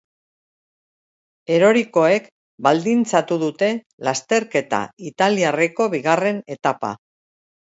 Erorikoek baldintzatu dute lasterketa italiarreko bigarren etapa.